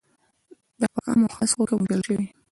دا په عام او خاص حکم ویشل شوی.